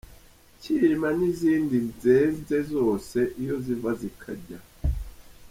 Cyilima n’izindi zenze zose iyo ziva zikajya